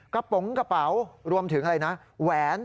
ป๋องกระเป๋ารวมถึงอะไรนะแหวน